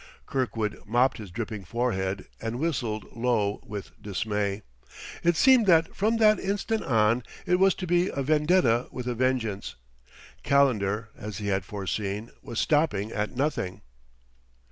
Kirkwood mopped his dripping forehead and whistled low with dismay; it seemed that from that instant on it was to be a vendetta with a vengeance. Calendar, as he had foreseen, was stopping at nothing.